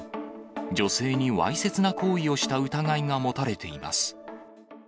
女性にわいせつな行為をした疑いが持たれています。